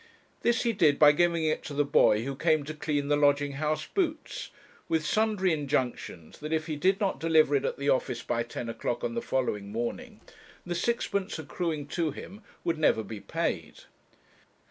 This he did, by giving it to the boy who came to clean the lodging house boots, with sundry injunctions that if he did not deliver it at the office by ten o'clock on the following morning, the sixpence accruing to him would never be paid.